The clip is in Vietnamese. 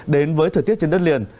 đến với thời tiết trên đất liền